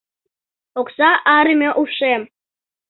ОКСА АРЫМЕ УШЕМ